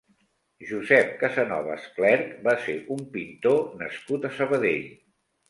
Josep Casanovas Clerch va ser un pintor nascut a Sabadell.